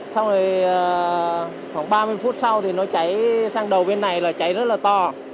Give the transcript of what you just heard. xong rồi khoảng ba mươi phút sau thì nó cháy sang đầu bên này là cháy rất là to